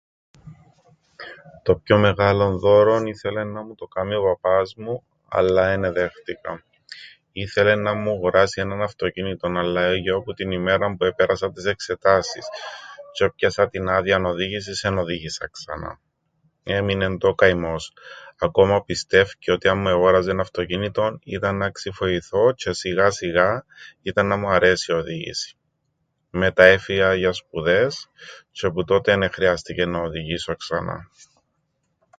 Το πιο μεγάλον δώρον ήθελεν να μου το κάμει ο παπάς μου, αλλά εν εδέχτηκα. Ήθελεν να μου 'γοράσει έναν αυτοκίνητον, αλλά εγιώ που την ημέραν που επέρασα τες εξετάσεις τζ̆ι έπιασαν την άδειαν οδήγησης, εν οδήγησα ξανά. Έμεινεν του ο καημός. Ακόμα πιστεύκει ότι αν μου εγόραζεν αυτοκίνητον, ήταν να ξιφοηθώ, τζ̆αι σιγά σιγά ήταν να μου αρέσει η οδήγηση. Μετά έφυα για σπουδές τζ̆αι που τότε εν εχρειάστηκεν να οδηγήσω ξανά.